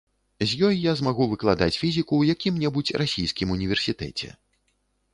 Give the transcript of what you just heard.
З ёй я змагу выкладаць фізіку ў якім-небудзь расійскім універсітэце.